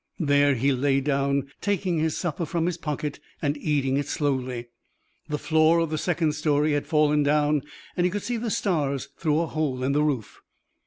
There he lay down, taking his supper from his pocket and eating it slowly. The floor of the second story had fallen down and he could see the stars through a hole in the roof.